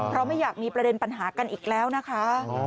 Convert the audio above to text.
เพราะไม่อยากมีประเด็นปัญหากันอีกแล้วนะคะ